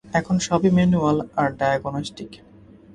এখন সবই ম্যানুয়াল আর ডায়াগনস্টিক।